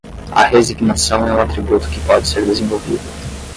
A resignação é um atributo que pode ser desenvolvido